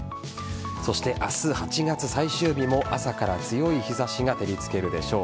そして明日、８月最終日も朝から強い日差しが照りつけるでしょう。